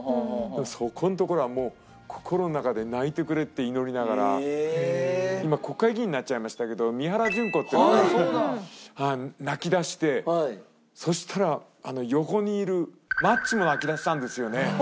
そこのところはもう今国会議員になっちゃいましたけど三原じゅん子っていうのが泣きだしてそしたら横にいるマッチも泣きだしたんですよね。